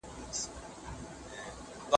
د امربالمعروف کسان رښتیا خبرې کوي.